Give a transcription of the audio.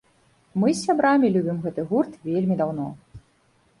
Мы з сябрамі любім гэты гурт вельмі даўно.